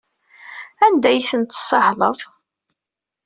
Anda ay tent-tessahleḍ?